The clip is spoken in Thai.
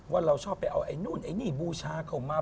เราชอบไปเอาไอ้นู่นไอ้นี่บูชาเข้ามา